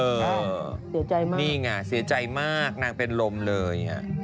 เสียใจมากนี่ไงเสียใจมากนางเป็นลมเลย